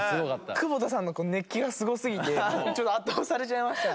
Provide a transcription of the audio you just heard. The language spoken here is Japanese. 久保田さんのこの熱気がすごすぎてちょっと圧倒されちゃいました。